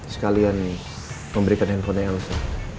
sekalian memberikan handphone nya elsa